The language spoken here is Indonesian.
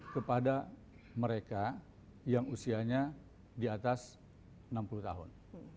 kepada mereka yang usianya di atas enam puluh tahun